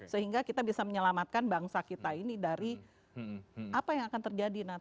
sehingga kita bisa menyelamatkan bangsa kita ini dari apa yang akan terjadi